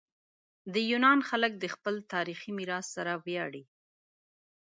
د یونان خلک د خپل تاریخي میراث سره ویاړي.